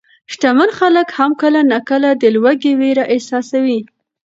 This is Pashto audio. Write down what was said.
شتمن خلک هم کله ناکله د لوږې وېره احساسوي.